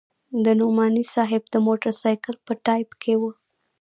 د نعماني صاحب د موټرسایکل په ټایپ کې وه.